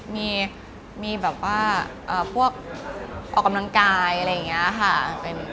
มีแบบว่าพวกออกกำลังกายอะไรอย่างนี้ค่ะ